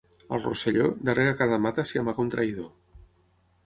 Al Rosselló, darrere cada mata s'hi amaga un traïdor.